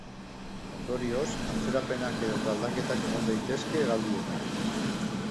Ondorioz, atzerapenak edota aldaketak egon daitezke hegaldietan.